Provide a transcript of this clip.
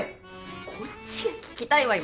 こっちが聞きたいわよ。